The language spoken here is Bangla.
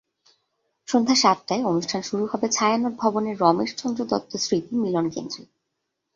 সন্ধ্যা সাতটায় অনুষ্ঠান শুরু হবে ছায়ানট ভবনের রমেশচন্দ্র দত্ত স্মৃতি মিলনকেন্দ্রে।